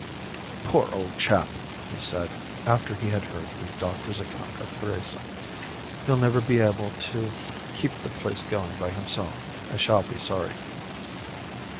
"Poor old chap!" he said, after he had heard the doctor's account of Teresa. "He'll never be able to keep the place going by himself. I shall be sorry."